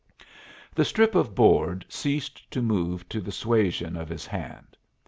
The strip of board ceased to move to the suasion of his hand.